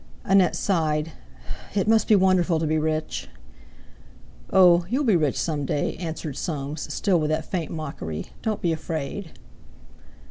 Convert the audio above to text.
Annette sighed. "It must be wonderful to be rich." "Oh! You'll be rich some day," answered Soames, still with that faint mockery; "don't be afraid."